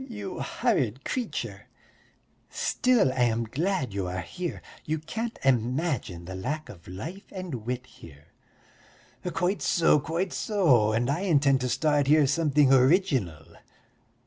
"Ugh, you horrid creature! Still, I am glad you are here; you can't imagine the lack of life and wit here." "Quite so, quite so, and I intend to start here something original.